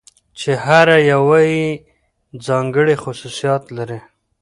چې هره يوه يې ځانګړى خصوصيات لري .